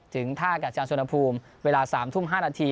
ถึงท่ากัดจานสวนภูมิเวลา๓ทุ่ม๕นาที